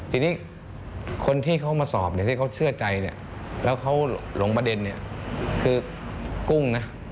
ทีนี้คนที่เขามาสอบเนี่ยที่เขาเชื่อใจเนี่ยแล้วเขาหลงประเด็นเนี่ยคือกุ้งนะ